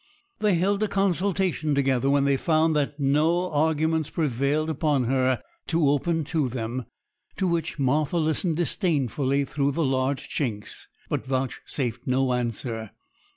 They held a consultation together when they found that no arguments prevailed upon her to open to them, to which Martha listened disdainfully through the large chinks, but vouchsafed no answer.